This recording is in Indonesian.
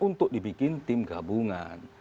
untuk dibikin tim gabungan